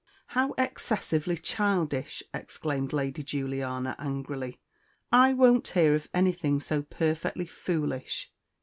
"How excessively childish!" exclaimed Lady Juliana angrily. "I won't hear of anything so perfectly foolish.